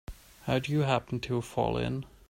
How'd you happen to fall in?